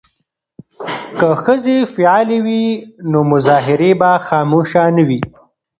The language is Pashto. که ښځې فعالې وي نو مظاهرې به خاموشه نه وي.